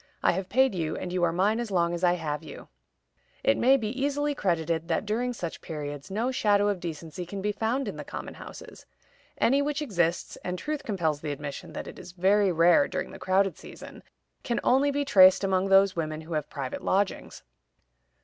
I have paid you, and you are mine as long as I have you." It may therefore be easily credited that during such periods no shadow of decency can be found in the common houses. Any which exists (and truth compels the admission that it is very rare during the crowded season) can only be traced among those women who have private lodgings.